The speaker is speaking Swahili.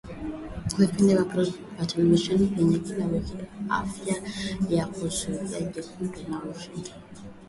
vipindi vya televisheni vya kila wiki vya Afya Yako Zulia Jekundu na Washingotn